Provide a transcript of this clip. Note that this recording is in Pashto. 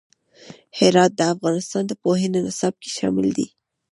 هرات د افغانستان د پوهنې نصاب کې شامل دی.